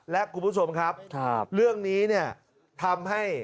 และคุณผู้ชมครับเรื่องนี้เนี่ยทำให้